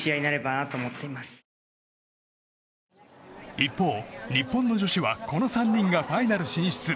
一方、日本の女子はこの３人がファイナル進出。